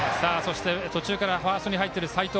途中からファーストに入っている齋藤。